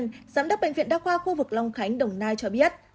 giám đốc bệnh viện đa khoa khu vực long khánh đồng nai cho biết